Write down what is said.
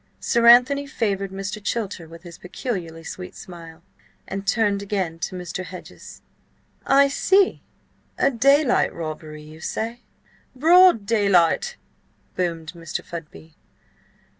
Sir Anthony favoured Mr. Chilter with his peculiarly sweet smile, and turned again to Mr. Hedges. "I see. A daylight robbery, you say?" "Broad daylight!" boomed Mr. Fudby.